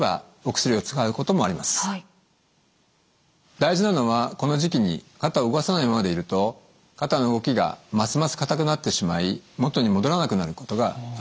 大事なのはこの時期に肩を動かさないままでいると肩の動きがますます硬くなってしまい元に戻らなくなることがあります。